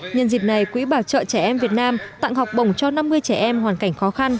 nhân dịp này quỹ bảo trợ trẻ em việt nam tặng học bổng cho năm mươi trẻ em hoàn cảnh khó khăn